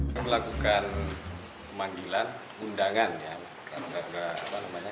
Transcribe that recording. kita melakukan pemanggilan undangan ya